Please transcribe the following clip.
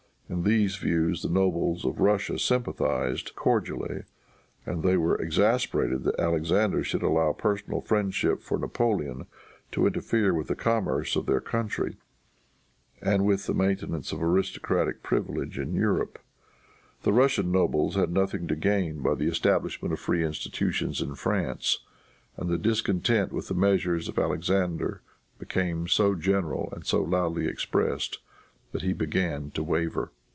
In these views the nobles of Russia sympathized cordially, and they were exasperated that Alexander should allow personal friendship for Napoleon to interfere with the commerce of their country, and with the maintenance of aristocratic privilege in Europe. The Russian nobles had nothing to gain by the establishment of free institutions in France, and the discontent with the measures of Alexander became so general and so loudly expressed that he began to waver.